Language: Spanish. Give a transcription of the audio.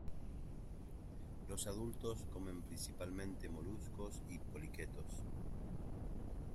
Los adultos comen principalmente moluscos y poliquetos.